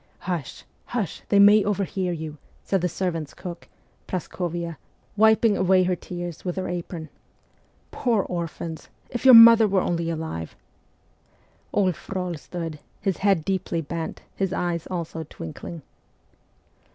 ' Hush, hush ! they may overhear you,' said the servants' cook, Praskovia, wiping away her tears with THE COEPS OF PAGES 117 her apron. ' Poor orphans ! If your mother were only alive ' Old Frol stood, his head deeply bent, his eyes also twinkling.